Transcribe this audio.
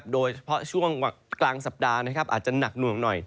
โดยเฉพาะช่วงกลางสัปดาห์อาจจะหนักหน่วงหน่อย